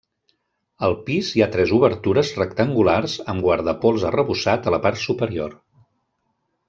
Al pis hi ha tres obertures rectangulars amb guardapols arrebossat a la part superior.